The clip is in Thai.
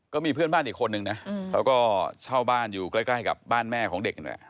ก็มีเพื่อนบ้านอีกคนนึงนะเขาก็เช่าบ้านอยู่ใกล้กับบ้านแม่ของเด็กนั่นแหละ